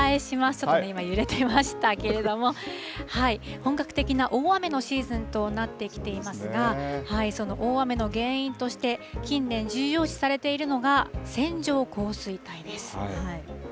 ちょっとね、今、揺れていましたけれども、本格的な大雨のシーズンとなってきていますが、その大雨の原因として、近年、重要視されているのが線状降水帯です。